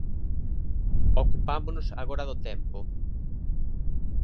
Ocupámonos agora do tempo.